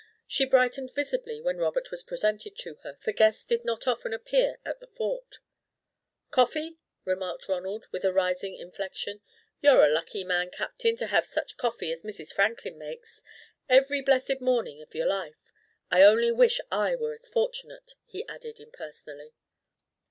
She brightened visibly when Robert was presented to her, for guests did not often appear at the Fort. "Coffee?" remarked Ronald, with a rising inflection. "You're a lucky man, Captain, to have such coffee as Mrs. Franklin makes, every blessed morning of your life. I only wish I were as fortunate," he added impersonally.